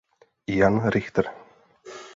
Jan Richter.